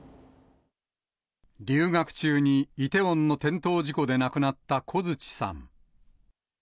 留学中にイテウォンの転倒事故で亡くなった小槌さん。